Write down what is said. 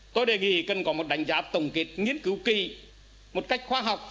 tôi đề nghị cần có một đánh giá tổng kết nghiên cứu kỳ một cách khoa học